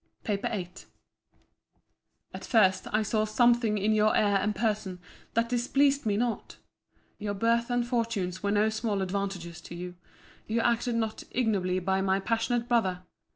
PAPER VIIII At first, I saw something in your air and person that displeased me not. Your birth and fortunes were no small advantages to you.—You acted not ignobly by my passionate brother.